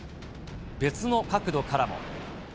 別の角度からも。